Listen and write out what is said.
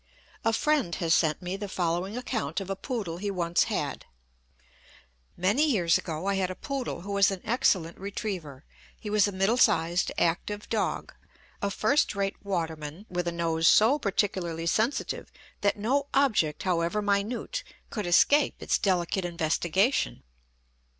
A friend has sent me the following account of a poodle he once had: "Many years ago I had a poodle who was an excellent retriever. He was a middle sized, active dog, a first rate waterman, with a nose so particularly sensitive that no object, however minute, could escape its 'delicate investigation.'